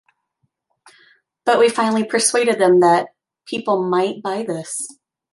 But we finally persuaded them that ... people might buy this.